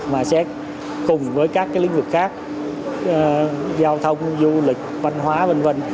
mà sẽ cùng với các lĩnh vực khác giao thông du lịch văn hóa v v